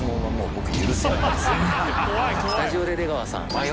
スタジオで出川さん。